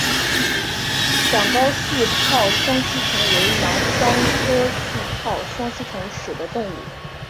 长睾似泡双吸虫为囊双科似泡双吸虫属的动物。